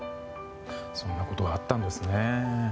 そんなことがあったんですね。